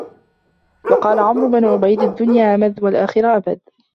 وَقَالَ عَمْرُو بْنُ عُبَيْدٍ الدُّنْيَا أَمَدٌ وَالْآخِرَةُ أَبَدٌ